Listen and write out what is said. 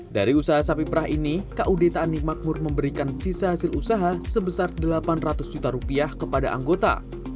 dari usaha sapi perah ini kud tani makmur memberikan sisa hasil usaha sebesar delapan ratus juta rupiah kepada anggota